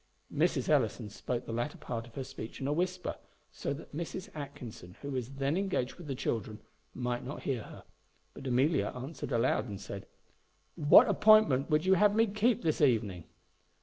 Mrs. Ellison spoke the latter part of her speech in a whisper, so that Mrs. Atkinson, who was then engaged with the children, might not hear her; but Amelia answered aloud, and said, "What appointment would you have me keep this evening?"